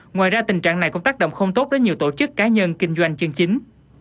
ngoài ra tình trạng này cũng tác động không tốt đến nhiều tổ chức cá nhân kinh doanh chân chính